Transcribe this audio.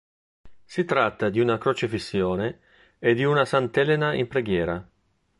Si tratta di una Crocefissione e di una Sant’Elena in Preghiera.